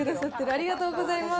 ありがとうございます。